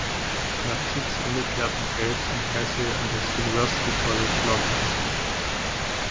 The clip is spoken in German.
Nach Kriegsende kehrten Bates und Massey an das University College London zurück.